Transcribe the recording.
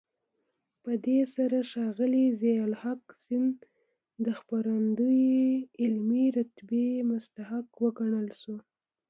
په دې سره ښاغلی ضياءالحق سیند د څېړندوی علمي رتبې مستحق وګڼل شو.